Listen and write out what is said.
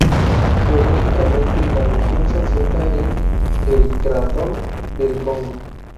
Geológicamente la región se asienta en el Cratón del Congo.